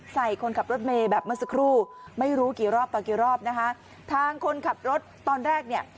คนขับรถเมย์แบบเมื่อสักครู่ไม่รู้กี่รอบต่อกี่รอบนะคะทางคนขับรถตอนแรกเนี่ย